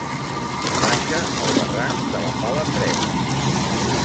Hi baixa el barranc de la Pala Freda.